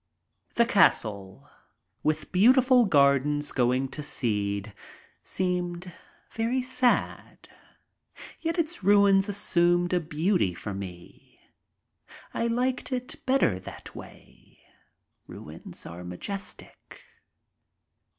The castle, with beautiful gardens going to seed, seemed very sad, yet its ruins assumed a beauty for me. I liked it better that way. Ruins are majestic.